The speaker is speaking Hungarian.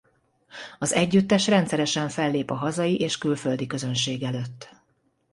Az együttes rendszeresen fellép a hazai és külföldi közönség előtt.